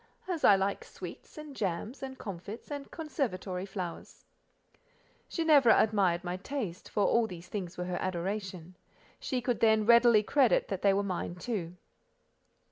"As I like sweets, and jams, and comfits, and conservatory flowers." Ginevra admired my taste, for all these things were her adoration; she could then readily credit that they were mine too.